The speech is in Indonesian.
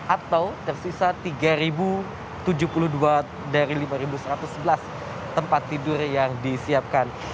atau tersisa tiga tujuh puluh dua dari lima satu ratus sebelas tempat tidur yang disiapkan